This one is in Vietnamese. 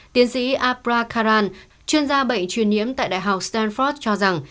tiến sĩ apra karan chuyên gia bệnh truyền nhiễm tại đại học stanford cho rằng